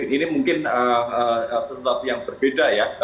ini mungkin sesuatu yang berbeda ya